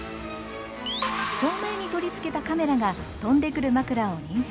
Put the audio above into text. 正面に取り付けたカメラが飛んでくる枕を認識。